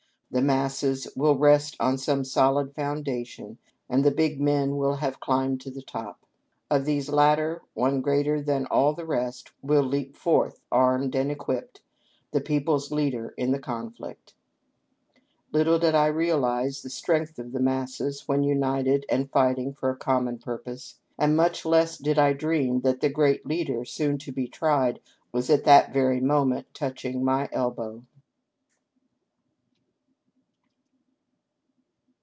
The masses will rest on some solid foundation, and the big men will have climbed to the top. Of these latter, one greater than all the rest will leap forth armed and equipped — the people's leader in the con flict." Little did I realize the strength of the masses when united and fighting for a common purpose ; and much less did I dream that the great leader soon to be tried was at that very moment touching my elbow